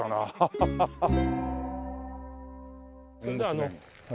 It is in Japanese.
ハハハッ。